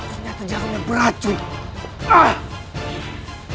senjata jalannya beracun